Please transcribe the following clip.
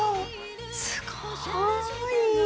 すごーい！